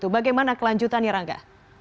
bagaimana kelanjutan ya rangga